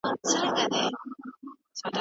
هر پاچا چې د ولس غږ وانوري نو ماتې خوري.